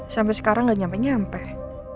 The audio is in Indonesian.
sampai sekarang tidak sampai nyampai